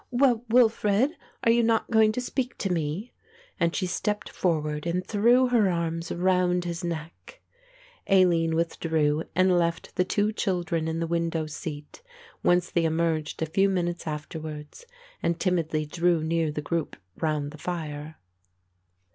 "Well, Wilfred, are you not going to speak to me?" and she stepped forward and threw her arms round his neck. Aline withdrew and left the two children in the window seat, whence they emerged a few minutes afterwards and timidly drew near the group round the fire.